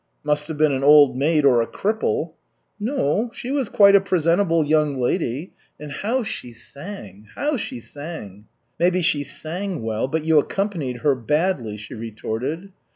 "Must have been an old maid or a cripple." "No, she was quite a presentable young lady. And how she sang, how she sang!" "Maybe she sang well, but you accompanied her badly," she retorted.